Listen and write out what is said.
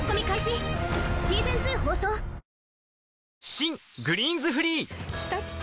新「グリーンズフリー」きたきた！